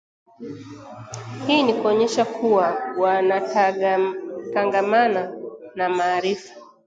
Hii ni kuonyesha kuwa wanatangamana na maarifa